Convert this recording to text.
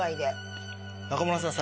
中村さん